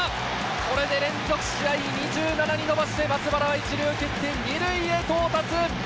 これで連続試合２７に伸ばして松原は１塁を蹴って２塁へ到達。